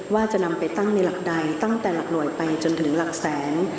ว่าจะนำไปตั้งในหลักใดตั้งแต่หลักหน่วยไปจนถึงหลักแสน